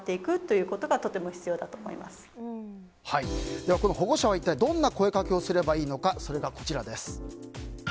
では、保護者は一体どんな声をかけをすればいいのかそれがこちらです。